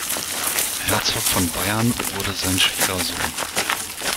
Herzog von Bayern wurde sein Schwiegersohn.